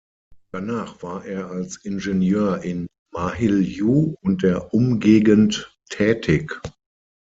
Danach war er als Ingenieur in Mahiljou und der Umgegend tätig.